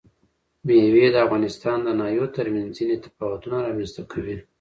مېوې د افغانستان د ناحیو ترمنځ ځینې تفاوتونه رامنځ ته کوي.